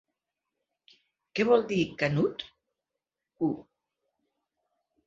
Què vol dir “Canut”?: u.